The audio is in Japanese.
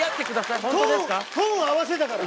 トーン合わせたから。